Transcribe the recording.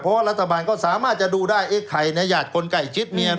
เพราะว่ารัฐบาลก็สามารถจะดูได้ไอ้ไข่เนี่ยญาติคนไก่ชิดเนี่ย